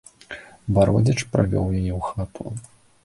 Бародзіч правёў яе ў хату.